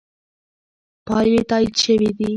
پایلې تایید شوې دي.